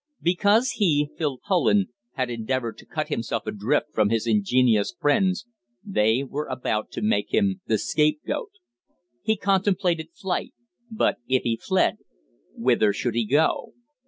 Because he, Phil Poland, had endeavoured to cut himself adrift from his ingenious friends, they were about to make him the scapegoat. He contemplated flight, but, if he fled, whither should he go?